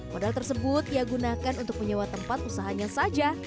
modal tersebut ia gunakan untuk menyewa tempat usahanya saja